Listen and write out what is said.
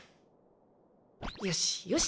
よしよし。